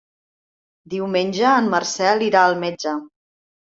Diumenge en Marcel irà al metge.